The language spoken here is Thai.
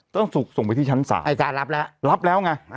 ต้องส่งไปที่ชั้นศาลอายการรับแล้วรับแล้วไง